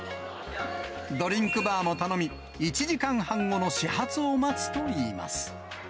ドリンクバーも頼み、１時間半後の始発を待つといいます。